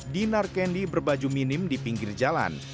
dinar kendi berbaju minim di pinggir jalan